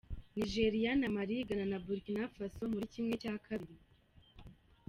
Nigeria na Mali, Ghana na Burkina Faso muri kimwe cya kabiri